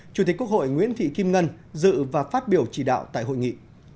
chủ tịch quốc hội nguyễn thị kim ngân dự và phát biểu chỉ đạo tại hội nghị